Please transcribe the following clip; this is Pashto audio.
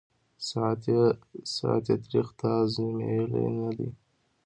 ساعت یې تریخ » تا آزمېیلی نه دی